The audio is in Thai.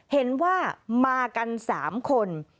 เห็นว่ามากัน๓คน